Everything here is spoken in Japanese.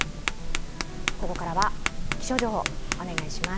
ここからは気象情報、お願いします